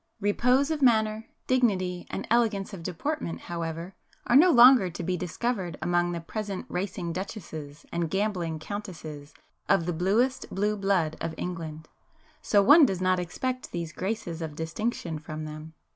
Repose of manner, dignity and elegance of deportment, however, are no longer to be discovered among the present 'racing' duchesses and gambling countesses of the bluest blue blood of England, so one does not expect these graces of distinction from them.